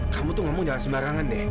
kamu tuh ngomong jalan sembarangan deh